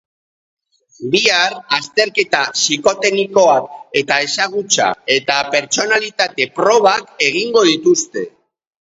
Bihar, azterketa psikoteknikoak eta ezagutza eta pertsonalitate probak egingo dituzte.